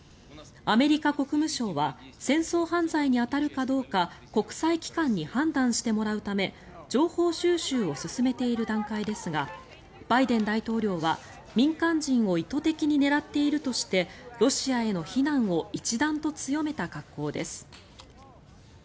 アメリカ国務省は戦争犯罪に当たるかどうか国際機関に判断してもらうため情報収集を進めている段階ですがバイデン大統領は、民間人を意図的に狙っているとしてロシアへの非難を一段と強めた格好です。